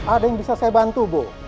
ada yang bisa saya bantu bu